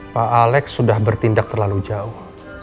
pak alex sudah bertindak terlalu jauh